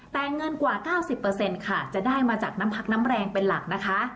แต่เงินกว่า๙๐ค่ะจะได้มาจากน้ำพักน้ำแรงเป็นหลักนะคะ